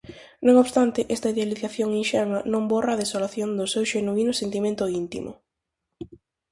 Non obstante, esta idealización inxenua non borra a desolación no seu xenuíno sentimento íntimo: